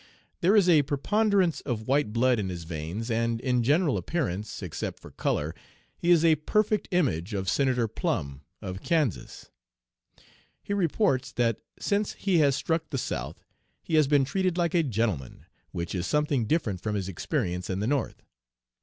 There is a preponderance of white blood in his veins, and in general appearance, except for color, he is a perfect image of Senator Plumb of Kansas. He reports that since he has struck the South he has been treated like a gentleman, which is something different from his experience in the North.